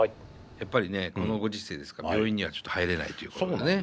やっぱりねこのご時世ですから病院にはちょっと入れないということでね。